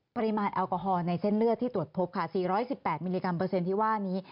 ปริมาณแอลกอฮอล์ในเส้นเลือดที่ตรวจพบค่ะ๔๑๘มิลลิกรัมเปอร์เซ็นต์ที่ว่านี้